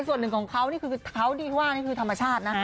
ส่วนหนึ่งของเขานี่คือเท้าที่ว่านี่คือธรรมชาตินะ